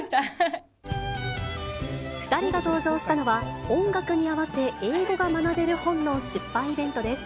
２人が登場したのは、音楽に合わせ、英語が学べる本の出版イベントです。